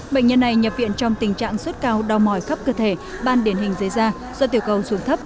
bệnh nhân này nhập viện trong tình trạng suốt cao đau mỏi khắp cơ thể ban điển hình dây da do tiểu cầu xuống thấp